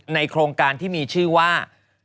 โครงการที่มีชื่อว่า